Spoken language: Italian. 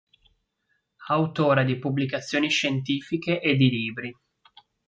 Autore di pubblicazioni scientifiche e di libri.